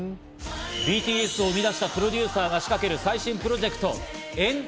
ＢＴＳを生み出したプロデューサーが仕掛ける最新プロジェクト＆ＡＵＤＩＴＩＯＮ。